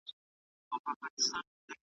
هم غریب دی هم رنځور دی هم ډنګر دی